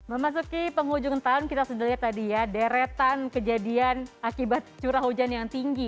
memasuki penghujung tahun kita sudah lihat tadi ya deretan kejadian akibat curah hujan yang tinggi